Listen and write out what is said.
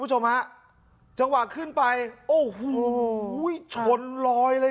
ผู้ชมฮะจังหวะขึ้นไปโอ้หูฮูวิชนรอยเลย